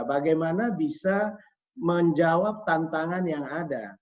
bagaimana bisa menjawab tantangan yang ada